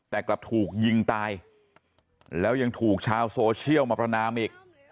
แต่กลับถูกยิงตายแล้วยังถูกชาวโซเชียลมาประนามอีก